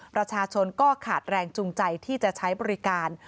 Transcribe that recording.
ประชาชนก็ขาดแรงจูงใจที่จะใช้บริการ